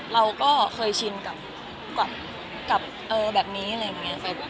เราก็เคยชินกับแบบนี้อะไรอย่างนี้